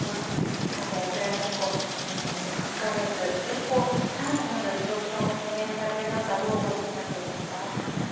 ウクライナ侵攻が始まって３か月本当に更なる長期化も懸念される中どうご覧になっていますか？